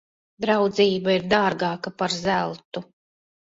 Draudzība ir dārgāka par zeltu.